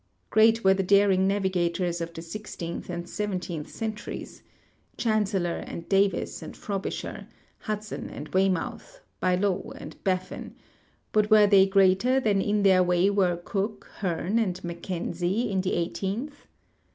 Great were the daring navigators of the sixteenth and seven teenth centuries — Chancellor and Davis and Frobisher, Hudson and Waymouth, Bylot and Baffin ; but were they greater than in their way were Cook, Hearne, and Mackenzie in the eighteenth